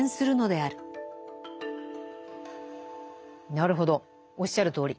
なるほどおっしゃるとおり。